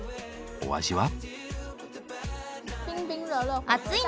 お味は？